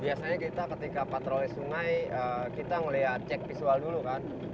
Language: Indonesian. biasanya kita ketika patroli sungai kita melihat cek visual dulu kan